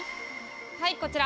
はいこちら。